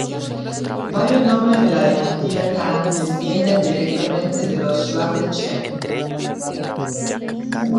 Varios nobles de la dinastía Tang descienden directamente de los Yuan de Chen.